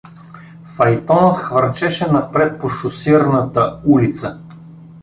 Файтонът хвърчеше напред по шосираната улица.